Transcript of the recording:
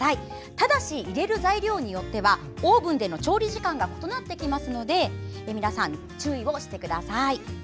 ただし、入れる材料によってはオーブンでの調理時間が異なってきますので注意をしてください。